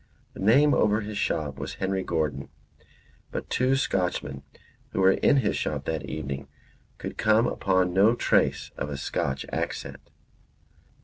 The name over his shop was Henry Gordon, but two Scotchmen who were in his shop that evening could come upon no trace of a Scotch accent.